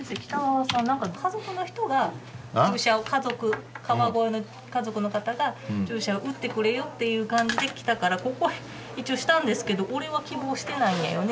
家族川越の家族の方が注射を打ってくれよっていう感じで来たからここ一応したんですけど「俺は希望してないんだよね」